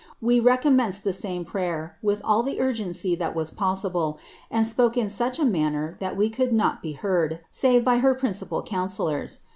We re<;oninienced the same prayer, with til the urgency that was poflsible, and spoke in such a manner that we could aot be heard, save by her principal coimcillors.